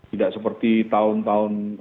tidak seperti tahun tahun